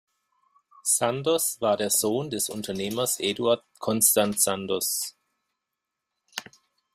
Sandoz war der Sohn des Unternehmers Edouard-Constant Sandoz.